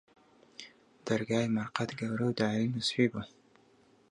دەرگای مەرقەد، گەورە و دارین و سپی بوو